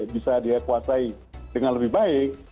bisa dia kuasai dengan lebih baik